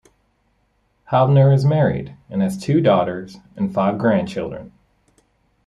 Haubner is married and has two daughters and five grandchildren.